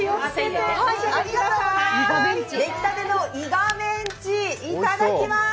出来たてのイガメンチ、いただきます。